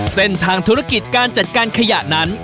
เส้นทางธุรกิจการจัดการขยะนั้น